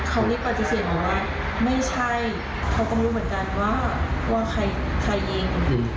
เขานี่ปฏิเสธเหรอครับไม่ใช่เขาก็รู้เหมือนกันว่าว่าใครใครยิง